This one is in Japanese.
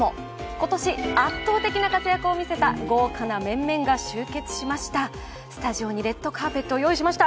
今年、圧倒的な活躍を見せた豪華な面々が集結しました。